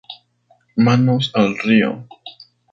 Manos al río!